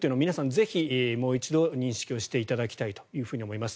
ぜひもう一度認識をしていただきたいと思います。